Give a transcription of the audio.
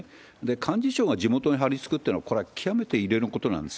幹事長が地元に張りつくっていうのは、これは極めて異例のことなんです。